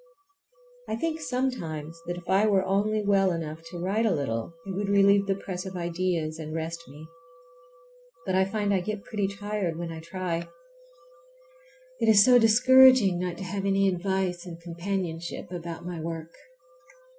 I think sometimes that if I were only well enough to write a little it would relieve the press of ideas and rest me. But I find I get pretty tired when I try. It is so discouraging not to have any advice and companionship about my work.